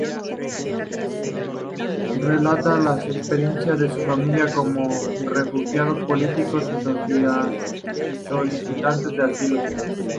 Relata las experiencias de su familia como refugiados políticos y solicitantes de asilo.